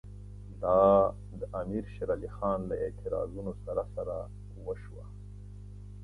دا د امیر شېر علي خان له اعتراضونو سره سره وشوه.